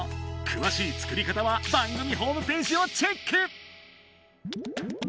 くわしい作り方は番組ホームページをチェック！